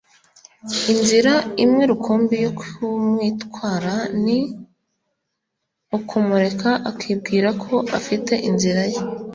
inzira imwe rukumbi yo kumwitwara ni ukumureka akibwira ko afite inzira ze